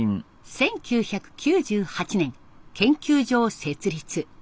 １９９８年研究所を設立。